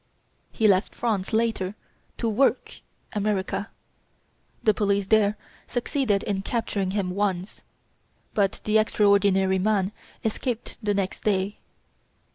He left France, later, to "work" America. The police there succeeded in capturing him once, but the extraordinary man escaped the next day.